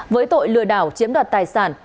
với tội lừa đảo chiếm đoạt tài sản